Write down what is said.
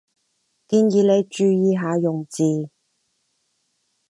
建議你注意下用字